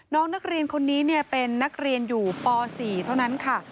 น้องนักเรียนคนนี้เป็นนักเรียนอยู่ป๔เท่านั้นค่ะ